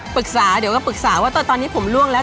ปรึกษาเดี๋ยวก็ปรึกษาว่าตอนนี้ผมล่วงแล้ว